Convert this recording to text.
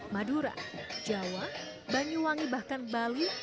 madura jawa banyuwangi bahkan bali